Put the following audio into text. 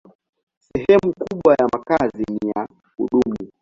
Sehemu kubwa ya makazi ni ya kudumu.